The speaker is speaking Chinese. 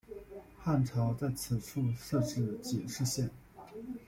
汉朝在此处设置己氏县。